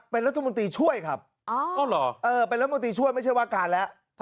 เป็นรัฐมนตรีช่วยครับเป็นรัฐมนตรีช่วยไม่ใช่ว่าการแล้ว